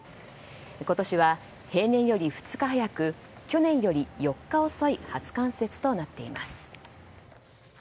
今年は平年より２日早く去年より４日遅い初冠雪となっています。